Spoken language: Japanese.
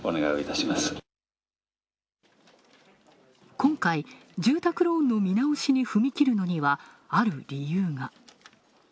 今回、住宅ローンの見直しに踏み切るのには、ある理由が。